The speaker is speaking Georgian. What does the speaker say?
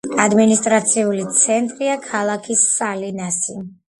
ადმინისტრაციული ცენტრია ქალაქი სალინასი.